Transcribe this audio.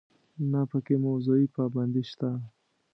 نه په کې موضوعي پابندي شته.